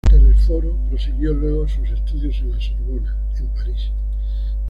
Telesforo prosiguió luego sus estudios en la Sorbona, en París.